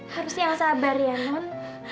terus yang sabar ya non